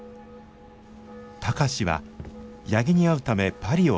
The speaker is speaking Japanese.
貴司は八木に会うためパリを訪れました。